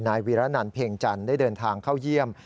วีรนันเพ็งจันทร์ได้เดินทางเข้าเยี่ยม